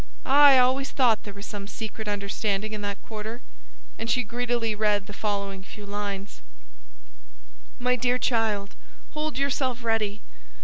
"Ah, I always thought there was some secret understanding in that quarter!" And she greedily read the following few lines: MY DEAR CHILD, Hold yourself ready.